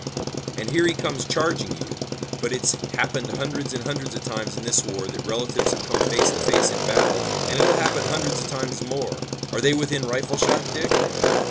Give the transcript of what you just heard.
"And here he comes charging you! But it's happened hundreds and hundreds of times in this war that relatives have come face to face in battle, and it'll happen hundreds of times more. Are they within rifle shot, Dick?"